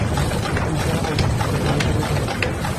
তিনি স্বীয় মাতা ও ফুফুর কাছে লালিত-পালিত হতে থাকেন।